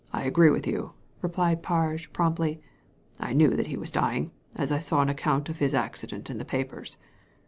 agree with you," replied Parge, promptly. ^ I knew that he was dyings as I saw an account of his accident in the papers.